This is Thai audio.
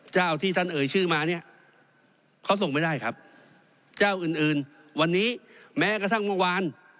เจ้าที่ท่านเอ่ยชื่อมาเนี่ยเขาส่งไม่ได้ครับเจ้าอื่นอื่นวันนี้แม้กระทั่งเมื่อวาน